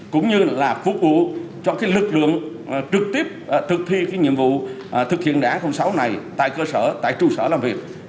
cũng như là phục vụ cho cái lực lượng trực tiếp thực thi cái nhiệm vụ thực hiện đảng sáu này tại cơ sở tại trung sở làm việc